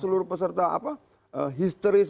seluruh peserta histeris